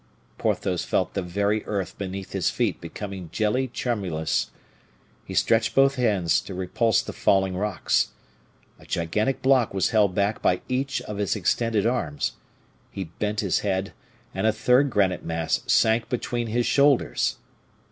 Porthos felt the very earth beneath his feet becoming jelly tremulous. He stretched both hands to repulse the falling rocks. A gigantic block was held back by each of his extended arms. He bent his head, and a third granite mass sank between his shoulders.